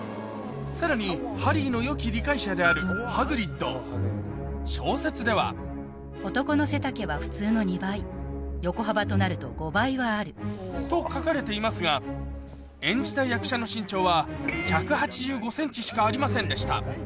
さらにハリーのよき理解者である小説ではと書かれていますが演じた役者の身長はしかありませんでした